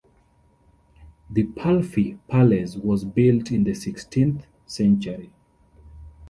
The Palffy Palace was built in the sixteenth century.